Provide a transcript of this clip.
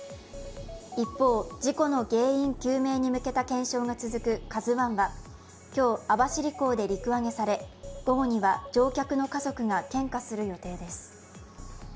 一方、事故の原因究明に向けた検証が続く「ＫＡＺＵⅠ」は今日、網走港で陸揚げされ、午後には乗客の家族が献花する予定です。